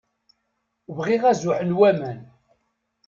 Bɣiɣ azuḥ n waman.